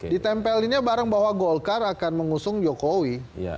ditempelin nya bareng bahwa golkar akan mengusung jokowi